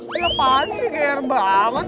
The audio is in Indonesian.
iya pasti geer banget